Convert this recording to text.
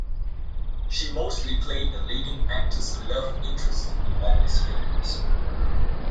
She mostly played the leading actor's love interest in all these films.